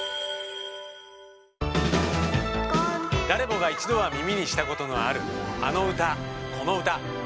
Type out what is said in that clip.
誰もが一度は耳にしたことのあるあの歌この歌。